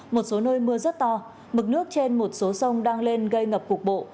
một số nơi mưa rất to mực nước trên một số sông đang lên gây ngập cục bộ